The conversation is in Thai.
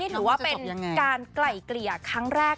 เป็นการไก่เกลี่ยครั้งแรก